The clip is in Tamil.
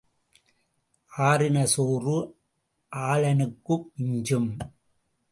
ஆறின சோறு ஆளனுக்கு மிஞ்சும்.